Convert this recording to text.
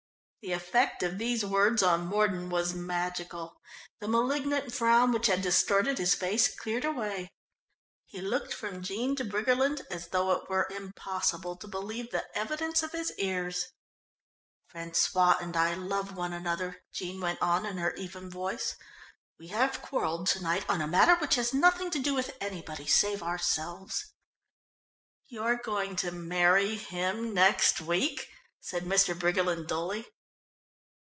The effect of these words on Mordon was magical. The malignant frown which had distorted his face cleared away. He looked from Jean to Briggerland as though it were impossible to believe the evidence of his ears. "François and I love one another," Jean went on in her even voice. "We have quarrelled to night on a matter which has nothing to do with anybody save ourselves." "You're going to marry him next week?" said Mr. Briggerland dully.